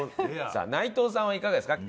さあ内藤さんはいかがですか？